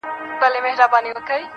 د کلي سيند راته هغه لنده خيسته راوړې_